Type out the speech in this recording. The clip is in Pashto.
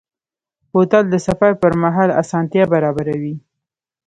بوتل د سفر پر مهال آسانتیا برابروي.